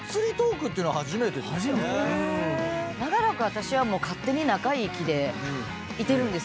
長らく私はもう勝手に仲いい気でいてるんです。